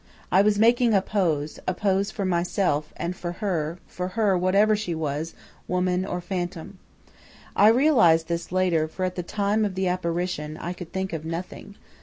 I was making a pose, a pose for myself, and for her, for her, whatever she was, woman, or phantom. I realized this later, for at the time of the apparition, I could think of nothing.